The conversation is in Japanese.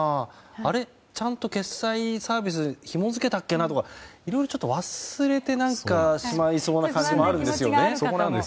あれ、ちゃんと決済サービスにひも付けたっけなといろいろ忘れてしまいそうな感じがあるんですよね。